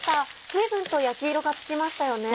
随分と焼き色がつきましたよね。